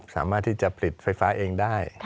สามารถที่จะผลิตไฟฟ้าเองได้